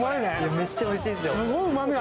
めっちゃおいしいんですよ。